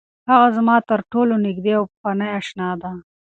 هغه زما تر ټولو نږدې او پخوانۍ اشنا ده.